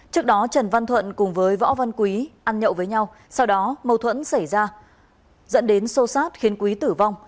trước đó trần văn thuận cùng với võ văn quý ăn nhậu với nhau sau đó mâu thuẫn xảy ra dẫn đến xô xát khiến quý tử vong